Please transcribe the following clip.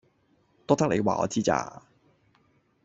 多得你話我知咋